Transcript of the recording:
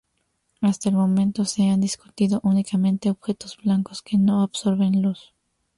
Hasta el momento se han discutido únicamente objetos blancos, que no absorben luz.